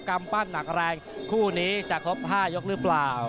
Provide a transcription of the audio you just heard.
กรรมปั้นหนักแรงคู่นี้จะครบ๕ยกหรือเปล่า